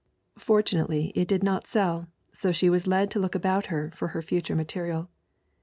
Fortunately it did not sell, so she was led to look about her for her future material.